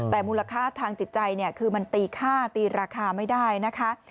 แต่มูลค่าทางจิตใจคือมันตีค่าตีราคาไม่ได้นะคะ